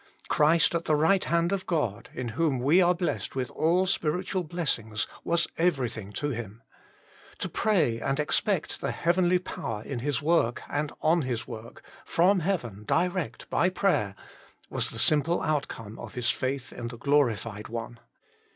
Christ at the right hand of God, in whom we are blessed with all spiritual blessings, was everything to him ; to pray and expect the heavenly power in his work and on his work, from heaven direct by prayer, was the simple outcome of his faith in the Glorified One.